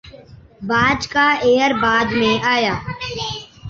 باچ کا ایئر بعد میں آیا